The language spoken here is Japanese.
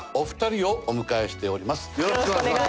よろしくお願いします。